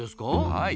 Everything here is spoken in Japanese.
はい。